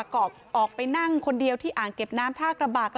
ก็ออกไปนั่งคนเดียวที่อ่างเก็บน้ำท่ากระบาก